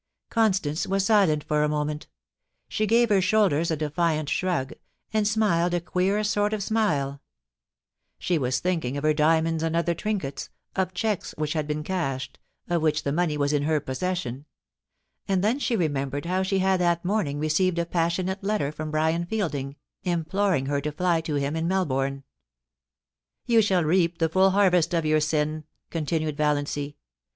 Constance was silent for a moment She g&ve her shoulders a defiant shrug, and smiled a queer sort of smile She was thinking of her diamonds and other trinkets, of cheques which had been cashed, of which the money was in her possession ; and then she remembered how she had that morning received a passionate letter from Brian Fielding, imploring her to fly to him in Melbourne. * You shall reap the full harvest of your sin,' continued Valiancy.